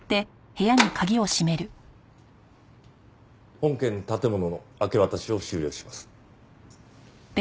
本件建物の明け渡しを終了します。